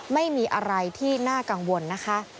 ไม่มีอะไรที่น่ากังวลนะคะ